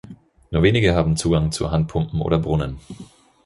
Nur wenige haben Zugang zu Handpumpen oder Brunnen.